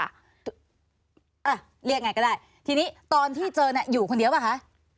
อ่ะเรียกไงก็ได้ทีนี้ตอนที่เจอเนี่ยอยู่คนเดียวป่ะคะ